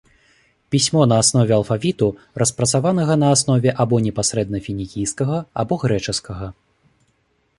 Пісьмо на аснове алфавіту, распрацаванага на аснове або непасрэдна фінікійскага, або грэчаскага.